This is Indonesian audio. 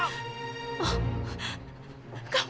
kamu sehat nak